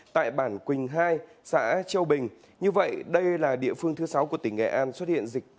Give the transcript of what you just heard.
tại bản quỳnh hai xã châu bình